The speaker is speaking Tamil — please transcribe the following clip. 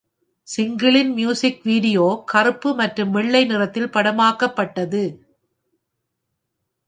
சிங்கிளின் மியூசிக் வீடியோ கருப்பு மற்றும் வெள்ளை நிறத்தில் படமாக்கப்பட்டது.